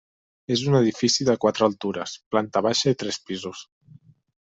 És un edifici de Quatre altures, planta baixa i tres pisos.